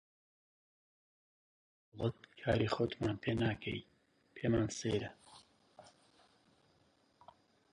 جگە لە کاری دەوڵەت کاری خۆتمان پێ ناکەی، پێمان سەیرە